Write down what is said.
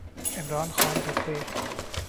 عمران خان تو تھے۔